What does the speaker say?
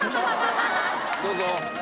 どうぞ。